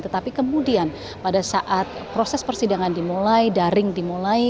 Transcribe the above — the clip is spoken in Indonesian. tetapi kemudian pada saat proses persidangan dimulai daring dimulai